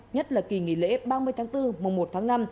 nhất là kỳ nghỉ lễ ba mươi tháng bốn mùa một tháng năm